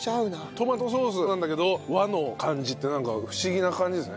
トマトソースなんだけど和の感じってなんか不思議な感じですね。